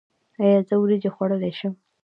ایا زه وریجې خوړلی شم؟